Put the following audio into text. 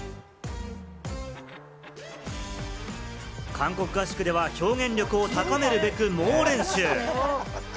韓国合宿では表現力を高めるべく猛練習。